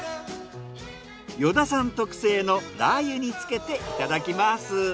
依田さん特製のラー油につけていただきます。